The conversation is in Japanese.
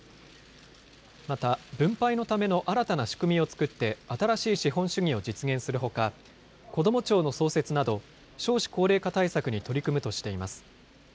また、分配のための新たな仕組みを作って、新しい資本主義を実現するほか、こども庁の創設など、少子高齢化対策に取り組むとしています。